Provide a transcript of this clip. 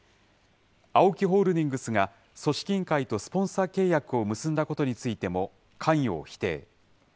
ＡＯＫＩホールディングスが組織委員会とスポンサー契約を結んだことについても、関与を否定。